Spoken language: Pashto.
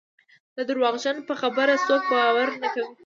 د درواغجن په خبره څوک باور نه کوي.